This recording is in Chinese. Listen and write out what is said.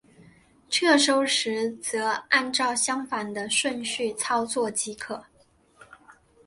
撤收时则按照相反的顺序操作即可。